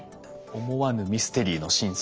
思わぬミステリーの真相。